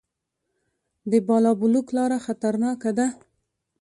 د بالابلوک لاره خطرناکه ده